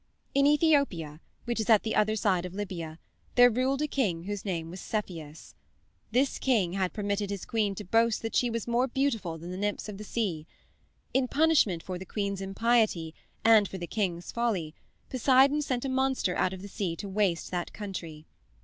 In Ethopia, which is at the other side of Libya, there ruled a king whose name was Cepheus. This king had permitted his queen to boast that she was more beautiful than the nymphs of the sea. In punishment for the queen's impiety and for the king's folly Poseidon sent a monster out of the sea to waste that country.